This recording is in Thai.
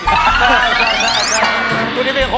ใช่